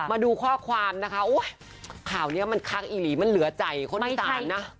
มาดูข้อความนะคะข่าวนี้มันค้างอีหลีมันเหลือใจคนอีสานนะ